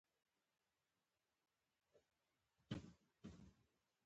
د کاناډا د لیبرال ګوند غړې ده.